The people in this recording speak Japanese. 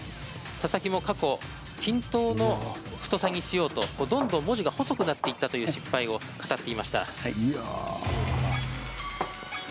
佐々木も過去均等の太さにしようとどんどん文字が細くなっていったという失敗を語っていました。